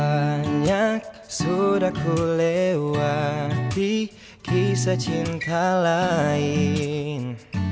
banyak sudah ku lewati kisah cinta lain